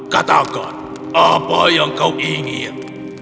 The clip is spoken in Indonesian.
katakan apa yang kau ingin